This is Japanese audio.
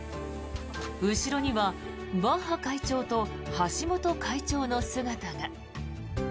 後ろにはバッハ会長と橋本会長の姿が。